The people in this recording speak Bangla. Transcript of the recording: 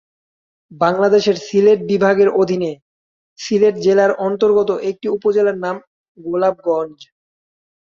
বাংলাদেশের সিলেট বিভাগের অধীনে সিলেট জেলার অন্তর্গত একটি উপজেলার নাম গোলাপগঞ্জ।